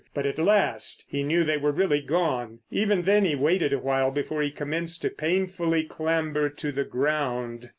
But at last he knew they were really gone. Even then he waited awhile before he commenced to painfully clamber to the ground.